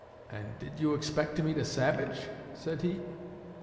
'And did you expect to meet a savage?' said he.